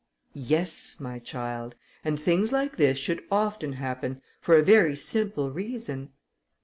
"Yes, my child; and things like this should often happen, for a very simple reason.